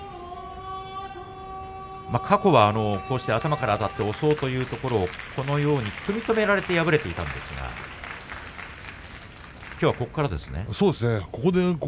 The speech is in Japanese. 過去は頭からあたって押そうというところを組み止められていたんですがきょうはここからですね。